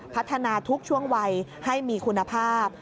พัฒนาทุกช่วงวัยให้มีคุณภาพ